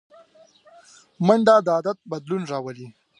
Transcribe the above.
منډه د عادت بدلون راولي